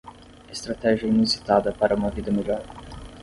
Estratégia inusitada para uma vida melhor